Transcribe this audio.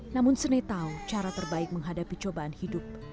namun senetau cara terbaik menghadapi cobaan hidup